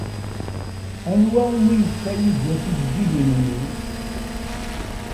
Anwa umi yefka Yidir tijeǧǧigin-nni?